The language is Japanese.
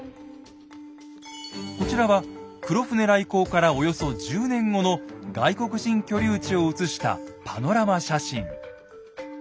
こちらは黒船来航からおよそ１０年後の外国人居留地を写したパノラマ写真。